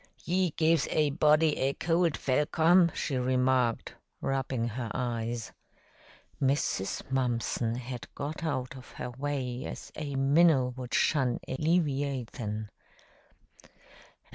"Ye gives a body a cold velcome," she remarked, rubbing her eyes. Mrs. Mumpson had got out of her way as a minnow would shun a leviathan.